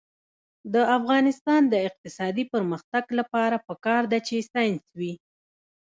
د افغانستان د اقتصادي پرمختګ لپاره پکار ده چې ساینس وي.